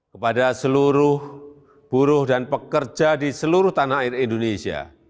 kepada seluruh buruh dan pekerja di seluruh tanah air indonesia